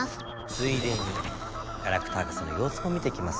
ついでにガラクタ博士のようすも見てきますね。